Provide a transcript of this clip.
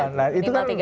nah itu kan